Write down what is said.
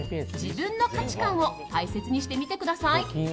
自分の価値観を大切にしてみてください。